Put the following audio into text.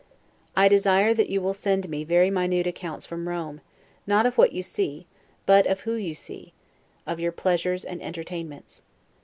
I desire that you will send me very minute accounts from Rome, not of what you see, but, of who you see; of your pleasures and entertainments.